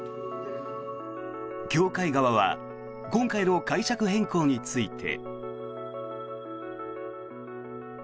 教会側は今回の解釈変更について。